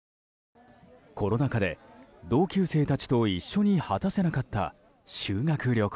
コロナ禍で、同級生たちと一緒に果たせなかった修学旅行。